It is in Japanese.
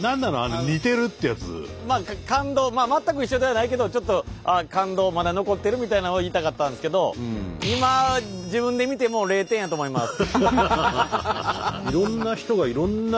まあ感動全く一緒ではないけどちょっと感動まだ残ってるみたいなのを言いたかったんですけど今自分で見ても０点やと思います。